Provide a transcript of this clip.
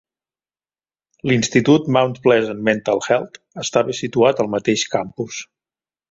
L'Institut Mount Pleasant Mental Health estava situat al mateix campus.